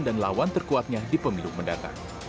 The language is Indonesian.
dan lawan terkuatnya di pemilu mendatang